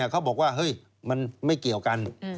เขาบอกว่าเฮ้ยมันไม่เกี่ยวกัน